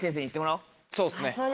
そうっすね。